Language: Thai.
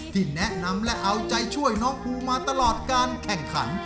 ที่แนะนำและเอาใจช่วยน้องภูมาตลอดการแข่งขัน